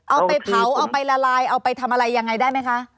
เอาไปเผาเอาไปละลายเอาไปทำอะไรยังไงได้ไหมคะ